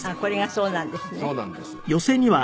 そうなんです。